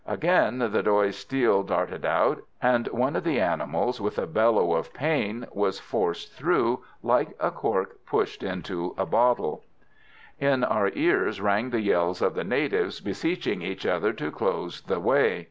Again the Doy's steel darted out, and one of the animals, with a bellow of pain, was forced through, like a cork pushed into a bottle. [Illustration: WATER BUFFALOES.] In our ears rang the yells of the natives, beseeching each other to close the way.